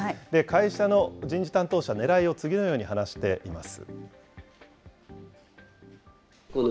会社の人事担当者、ねらいを次のように話しています。